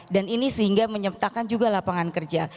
dan ini sehingga menyertakan juga lapangan kerja